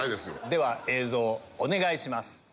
では映像お願いします。